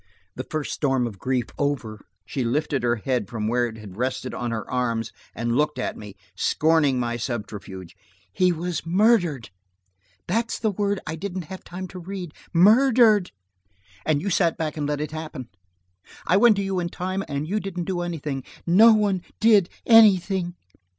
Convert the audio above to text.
The first storm of grief over, she lifted her head from where it had rested on her arms and looked at me, scorning my subterfuge. "He was murdered. That's the word I didn't have time to read! Murdered! And you sat back and let it happen. I went to you in time and you didn't do anything. No one did anything!"